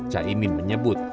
cah imin menyebut